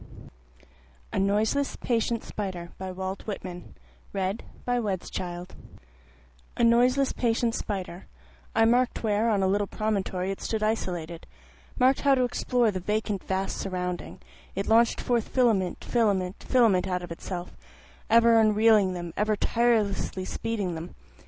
A Noiseless Patient Spider A noiseless patient spider, I mark'd where on a little promontory it stood isolated, Mark'd how to explore the vacant vast surrounding, It launch'd forth filament, filament, filament out of itself, Ever unreeling them, ever tirelessly speeding them.